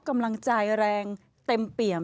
กำลังใจแรงเต็มเปี่ยม